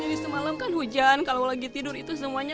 jadi semalam kan hujan kalau lagi tidur itu semuanya